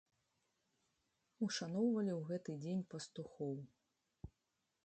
Ушаноўвалі ў гэты дзень пастухоў.